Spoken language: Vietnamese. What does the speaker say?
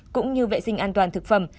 cũng như vệ sinh an toàn thực phẩm